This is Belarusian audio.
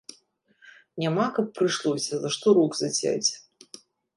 Няма, каб прыйшлося, за што рук зацяць.